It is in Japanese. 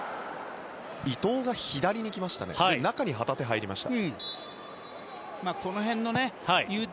伊東が左に入りまして中に旗手が入りました。